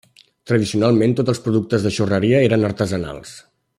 Tradicionalment tots els productes de xurreria eren artesanals.